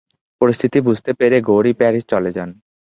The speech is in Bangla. পরিস্থিতি বুঝতে পেরে গৌরী প্যারিস চলে যান।